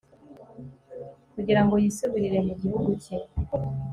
kugira ngo yisubirire mu gihugu cye